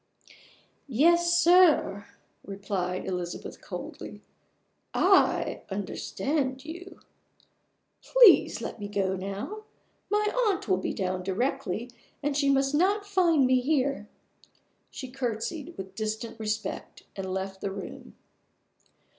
"Yes, sir," replied Isabel coldly; "I understand you. Please let me go now. My aunt will be down directly; and she must not find me here." She curtseyed with distant respect, and left the room.